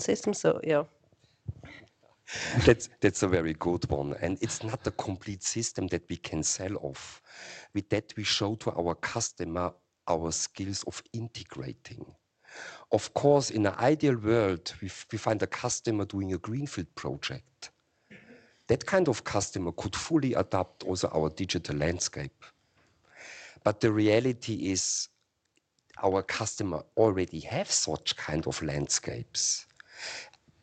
System, so yeah. That's a very good one, and it's not a complete system that we can sell off. With that, we show to our customer our skills of integrating. Of course, in an ideal world, we find a customer doing a greenfield project. That kind of customer could fully adapt also our digital landscape. The reality is our customer already has such kind of landscapes,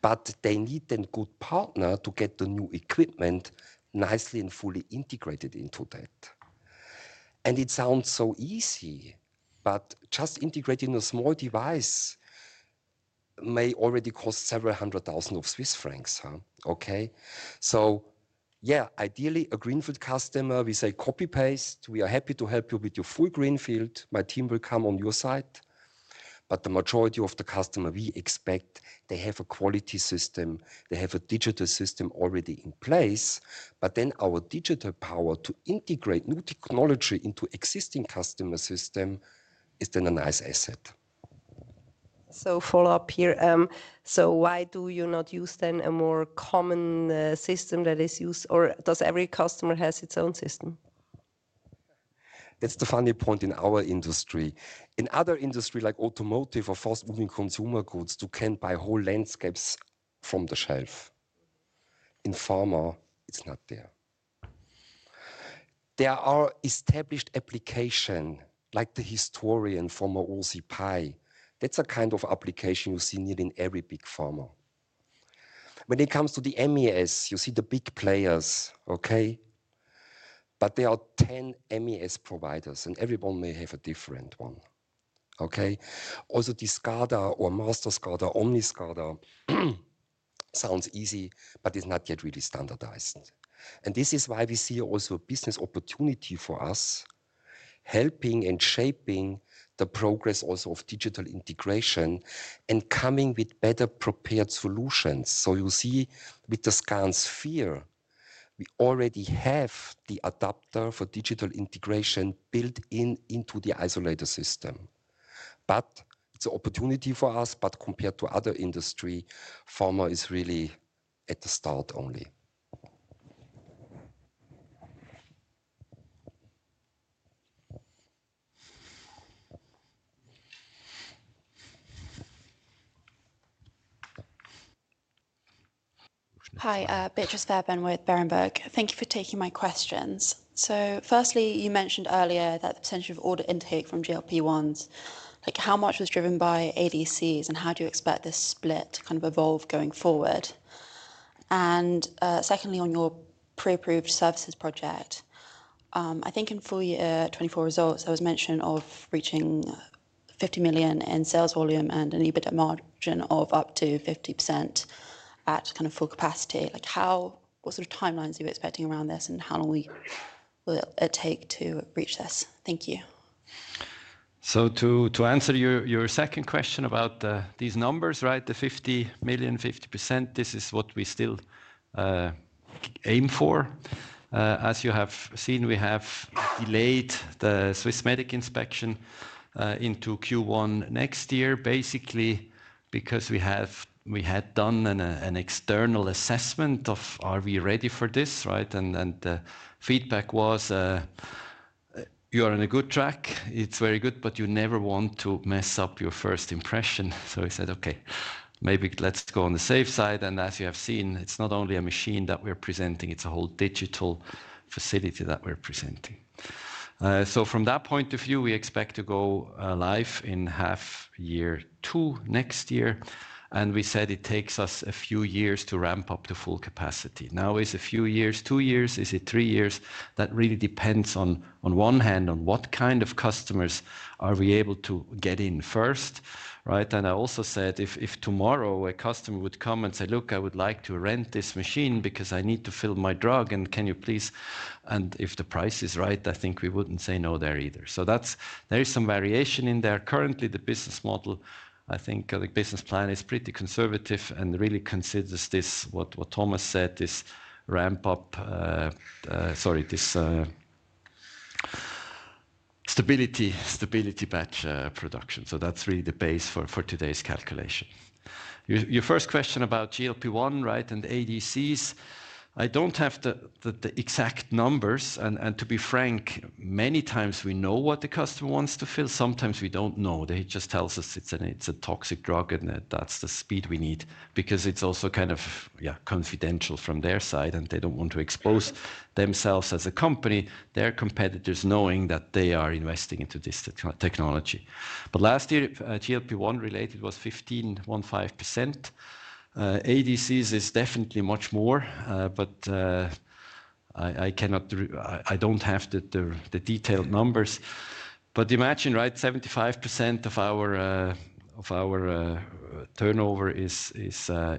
but they need a good partner to get the new equipment nicely and fully integrated into that. It sounds so easy, but just integrating a small device may already cost several hundred thousand CHF, huh? Okay? Yeah, ideally, a greenfield customer, we say, "Copy paste, we are happy to help you with your full greenfield. My team will come on your side. The majority of the customer, we expect they have a quality system, they have a digital system already in place, but then our digital power to integrate new technology into existing customer system is then a nice asset. Follow up here. Why do you not use then a more common system that is used, or does every customer have its own system? That's the funny point in our industry. In other industries like automotive or fast-moving consumer goods, you can buy whole landscapes from the shelf. In pharma, it's not there. There are established applications like the Historian from OSIsoft. That's a kind of application you see nearly in every big pharma. When it comes to the MES, you see the big players, okay? But there are 10 MES providers, and everyone may have a different one, okay? Also the SCADA or Master SCADA, Omni SCADA sounds easy, but it's not yet really standardized. This is why we see also business opportunity for us helping and shaping the progress also of digital integration and coming with better prepared solutions. You see, with the SKAN Sphere, we already have the adapter for digital integration built in into the isolator system. It is an opportunity for us, but compared to other industries, pharma is really at the start only. Hi, Beatrice Fairban with Burim Maraj. Thank you for taking my questions. Firstly, you mentioned earlier that the potential of order intake from GLP-1s, like how much was driven by ADCs, and how do you expect this split to kind of evolve going forward? Secondly, on your pre-approved services project, I think in full year 2024 results, there was mention of reaching 50 million in sales volume and an EBITDA margin of up to 50% at kind of full capacity. What sort of timelines are you expecting around this, and how long will it take to reach this? Thank you. To answer your second question about these numbers, right, the $50 million, 50%, this is what we still aim for. As you have seen, we have delayed the Swissmedic inspection into Q1 next year, basically because we had done an external assessment of, "Are we ready for this?" Right? And the feedback was, "You are on a good track. It's very good, but you never want to mess up your first impression." We said, "Okay, maybe let's go on the safe side." As you have seen, it's not only a machine that we're presenting, it's a whole digital facility that we're presenting. From that point of view, we expect to go live in half year two next year. We said it takes us a few years to ramp up to full capacity. Now, is it a few years, two years, is it three years? That really depends on one hand, on what kind of customers are we able to get in first, right? I also said if tomorrow a customer would come and say, "Look, I would like to rent this machine because I need to fill my drug, and can you please..." If the price is right, I think we wouldn't say no there either. There is some variation in there. Currently, the business model, I think the business plan is pretty conservative and really considers this, what Thomas said, this ramp up, sorry, this stability batch production. That is really the base for today's calculation. Your first question about GLP-1, right, and ADCs, I don't have the exact numbers. To be frank, many times we know what the customer wants to fill, sometimes we don't know. They just tell us it's a toxic drug, and that's the speed we need because it's also kind of, yeah, confidential from their side, and they don't want to expose themselves as a company, their competitors knowing that they are investing into this technology. Last year, GLP-1 related was 15.15%. ADCs is definitely much more, but I don't have the detailed numbers. Imagine, right, 75% of our turnover is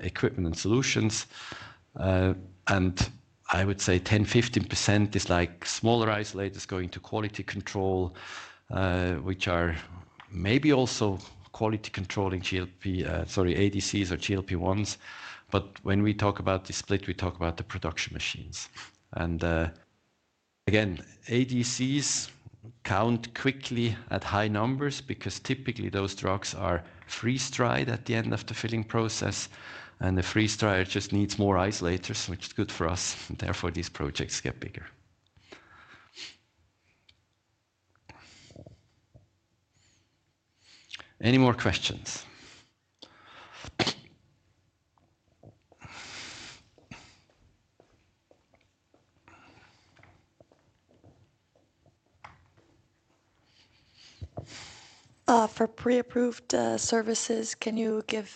equipment and solutions. I would say 10-15% is like smaller isolators going to quality control, which are maybe also quality controlling, GLP, sorry, ADCs or GLP-1s. When we talk about the split, we talk about the production machines. Again, ADCs count quickly at high numbers because typically those drugs are freeze-dried at the end of the filling process, and the freeze-dryer just needs more isolators, which is good for us. Therefore, these projects get bigger. Any more questions? For pre-approved services, can you give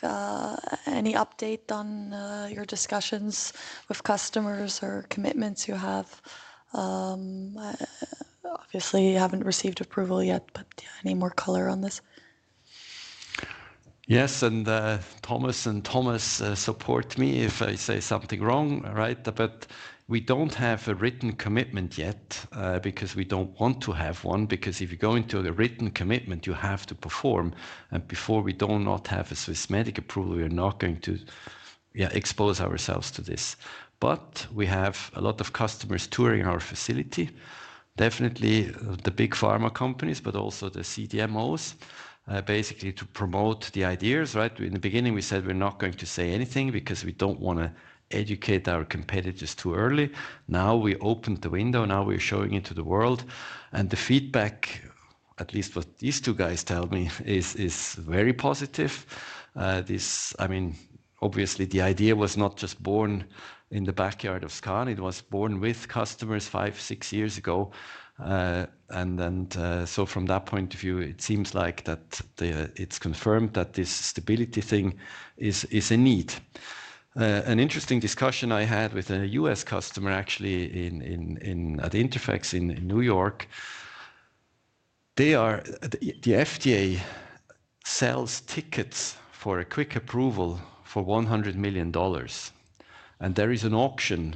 any update on your discussions with customers or commitments you have? Obviously, you haven't received approval yet, but any more color on this? Yes, and Thomas and Thomas support me if I say something wrong, right? We do not have a written commitment yet because we do not want to have one, because if you go into a written commitment, you have to perform. Before we do not have a Swissmedic approval, we are not going to, yeah, expose ourselves to this. We have a lot of customers touring our facility, definitely the big pharma companies, but also the CDMOs, basically to promote the ideas, right? In the beginning, we said we are not going to say anything because we do not want to educate our competitors too early. Now we opened the window, now we are showing it to the world. The feedback, at least what these two guys tell me, is very positive. I mean, obviously, the idea was not just born in the backyard of SKAN, it was born with customers five, six years ago. And from that point of view, it seems like that it's confirmed that this stability thing is a need. An interesting discussion I had with a U.S. customer actually at Interphex in New York, the FDA sells tickets for a quick approval for $100 million, and there is an auction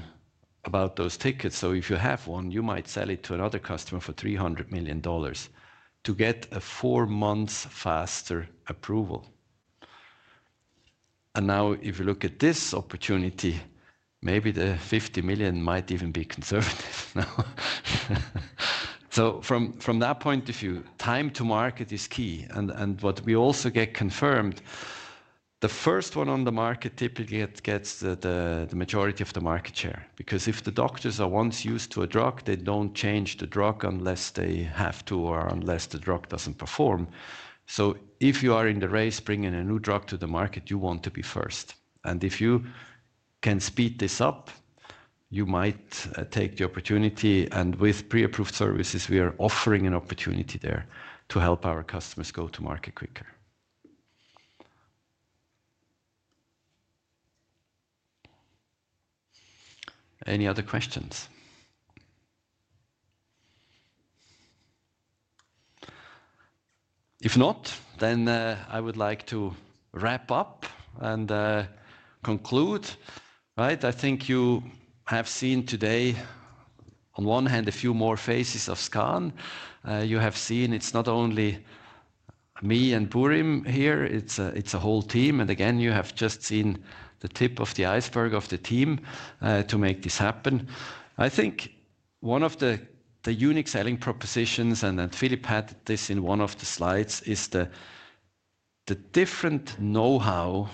about those tickets. If you have one, you might sell it to another customer for $300 million to get a four months faster approval. If you look at this opportunity, maybe the $50 million might even be conservative now. From that point of view, time to market is key. What we also get confirmed, the first one on the market typically gets the majority of the market share because if the doctors are once used to a drug, they do not change the drug unless they have to or unless the drug does not perform. If you are in the race bringing a new drug to the market, you want to be first. If you can speed this up, you might take the opportunity. With pre-approved services, we are offering an opportunity there to help our customers go to market quicker. Any other questions? If not, I would like to wrap up and conclude, right? I think you have seen today, on one hand, a few more faces of SKAN. You have seen it is not only me and Burim here, it is a whole team. You have just seen the tip of the iceberg of the team to make this happen. I think one of the unique selling propositions, and Philip had this in one of the slides, is the different know-how,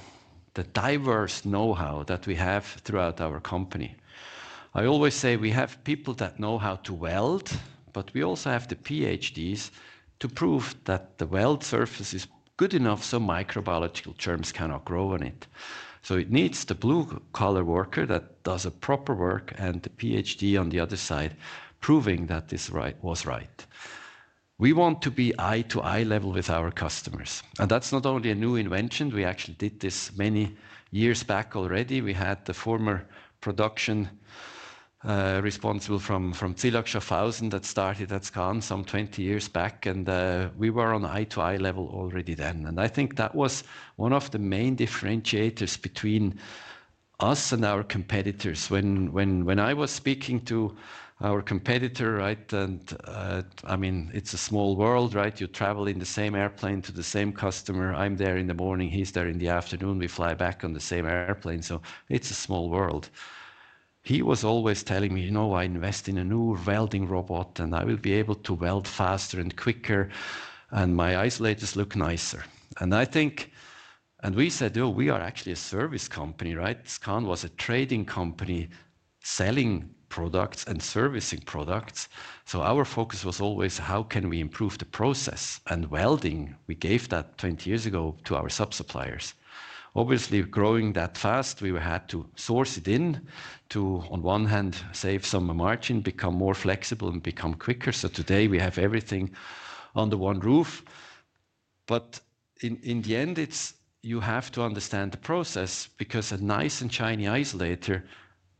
the diverse know-how that we have throughout our company. I always say we have people that know how to weld, but we also have the PhDs to prove that the weld surface is good enough so microbiological germs cannot grow on it. It needs the blue-collar worker that does proper work and the PhD on the other side proving that this was right. We want to be eye-to-eye level with our customers. That is not only a new invention. We actually did this many years back already. We had the former production responsible from Zylak Schaffhausen that started at SKAN some 20 years back, and we were on eye-to-eye level already then. I think that was one of the main differentiators between us and our competitors. When I was speaking to our competitor, right, and I mean, it's a small world, right? You travel in the same airplane to the same customer. I'm there in the morning, he's there in the afternoon. We fly back on the same airplane. It's a small world. He was always telling me, "You know, I invest in a new welding robot, and I will be able to weld faster and quicker, and my isolators look nicer." I think, and we said, "Oh, we are actually a service company, right? SKAN was a trading company selling products and servicing products. Our focus was always, how can we improve the process and welding? We gave that 20 years ago to our sub-suppliers. Obviously, growing that fast, we had to source it in to, on one hand, save some margin, become more flexible, and become quicker. Today we have everything under one roof. In the end, you have to understand the process because a nice and shiny isolator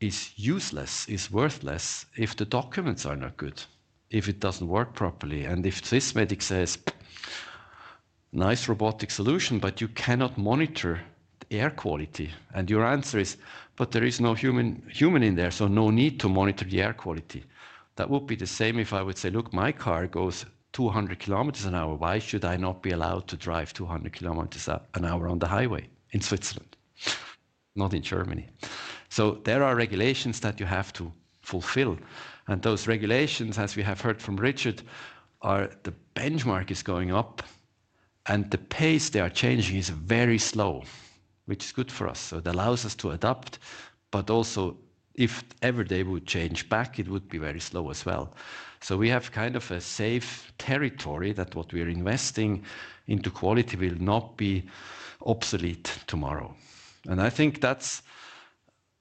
is useless, is worthless if the documents are not good, if it does not work properly. If Swissmedic says, "Nice robotic solution, but you cannot monitor the air quality," and your answer is, "But there is no human in there, so no need to monitor the air quality." That would be the same if I would say, "Look, my car goes 200 kilometers an hour. Why should I not be allowed to drive 200 kilometers an hour on the highway in Switzerland? Not in Germany. There are regulations that you have to fulfill. Those regulations, as we have heard from Richard, the benchmark is going up, and the pace they are changing is very slow, which is good for us. It allows us to adapt, but also if ever they would change back, it would be very slow as well. We have kind of a safe territory that what we are investing into quality will not be obsolete tomorrow. I think that's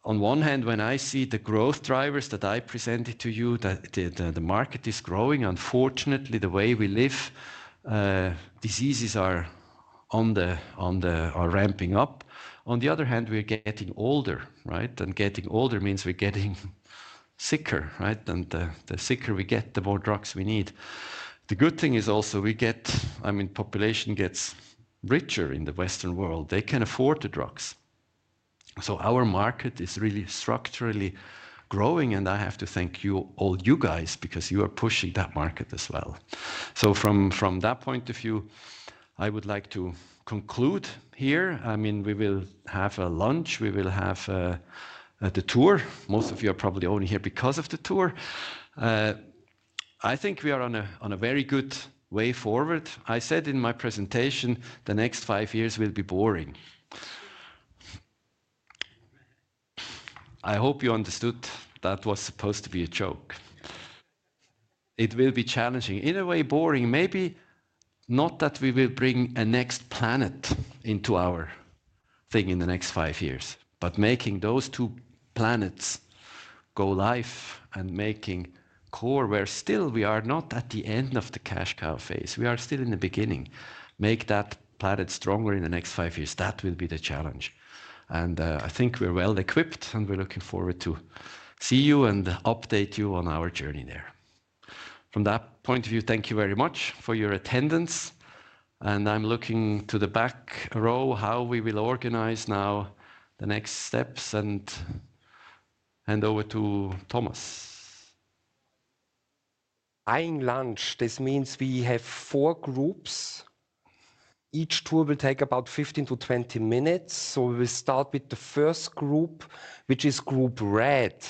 on one hand, when I see the growth drivers that I presented to you, that the market is growing. Unfortunately, the way we live, diseases are ramping up. On the other hand, we're getting older, right? Getting older means we're getting sicker, right? The sicker we get, the more drugs we need. The good thing is also we get, I mean, population gets richer in the Western world. They can afford the drugs. Our market is really structurally growing, and I have to thank you all, you guys, because you are pushing that market as well. From that point of view, I would like to conclude here. I mean, we will have a lunch, we will have the tour. Most of you are probably only here because of the tour. I think we are on a very good way forward. I said in my presentation, the next five years will be boring. I hope you understood that was supposed to be a joke. It will be challenging. In a way, boring. Maybe not that we will bring a next planet into our thing in the next five years, but making those two planets go live and making core where still we are not at the end of the cash cow phase, we are still in the beginning, make that planet stronger in the next five years. That will be the challenge. I think we're well equipped, and we're looking forward to see you and update you on our journey there. From that point of view, thank you very much for your attendance. I'm looking to the back row how we will organize now the next steps and hand over to Thomas. Eyeing lunch. This means we have four groups. Each tour will take about 15-20 minutes. We will start with the first group, which is group red.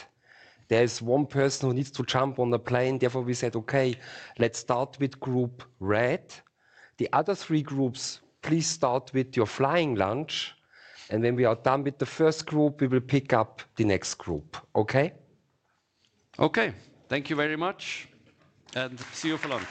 There is one person who needs to jump on the plane. Therefore, we said, "Okay, let's start with group red." The other three groups, please start with your flying lunch. When we are done with the first group, we will pick up the next group, okay? Okay. Thank you very much. See you for lunch.